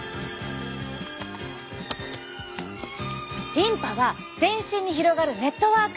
リンパは全身に広がるネットワーク！